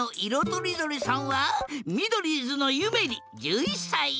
とりどりさんはミドリーズのゆめり１１さい。